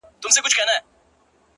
• وطن له سره جوړوي بیرته جشنونه راځي,